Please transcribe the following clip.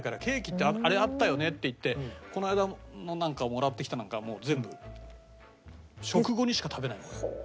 ケーキってあれあったよねっていってこの間のなんかもらってきたのなんかもう全部食後にしか食べない。